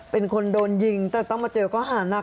เป็นคนโดนยิงแต่ต้องมาเจอข้อหานัก